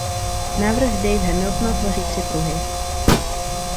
Návrh Dave Hamiltona tvoří tři pruhy.